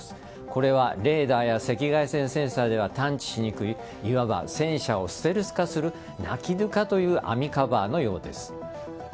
これはレーダーや赤外線センサーでは探知しにくいいわば、戦車をステルス化するＮＡＫＩＤＫＡという網カバーのようです。